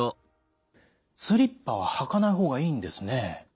スリッパは履かない方がいいんですね。